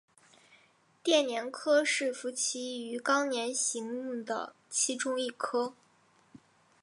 电鲇科是辐鳍鱼纲鲇形目的其中一科。